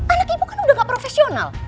anak ibu kan udah gak profesional